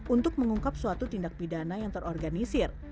untuk mengungkap suatu tindak pidana yang terorganisir